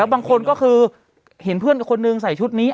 บางคนก็คือเห็นเพื่อนอีกคนนึงใส่ชุดนี้